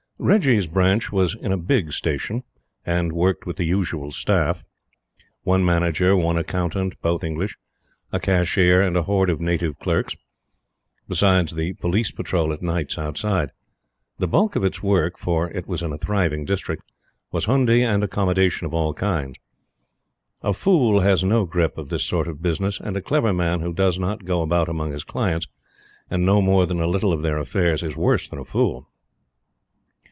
Reggie's Branch was in a big Station, and worked with the usual staff one Manager, one Accountant, both English, a Cashier, and a horde of native clerks; besides the Police patrol at nights outside. The bulk of its work, for it was in a thriving district, was hoondi and accommodation of all kinds. A fool has no grip of this sort of business; and a clever man who does not go about among his clients, and know more than a little of their affairs, is worse than a fool.